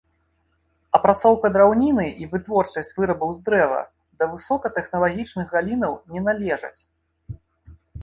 Апрацоўка драўніны і вытворчасць вырабаў з дрэва да высокатэхналагічных галінаў не належаць.